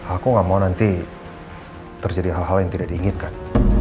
aku gak mau nanti terjadi hal hal yang tidak diinginkan